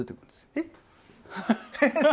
えっ。